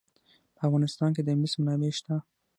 په افغانستان کې د مس منابع شته.